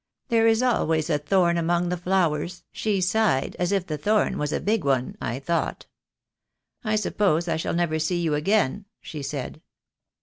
There is always a thorn among the flowers,' she sighed, as if the thorn was a big one, I thought. 'I suppose I shall never see you again,' she said.